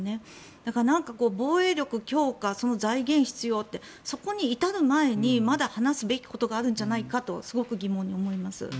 だから防衛力強化その財源必要ってそこに至る前にまだ話すべきことがあるんじゃないかとすごく疑問に思います。